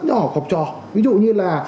nhỏ của học trò ví dụ như là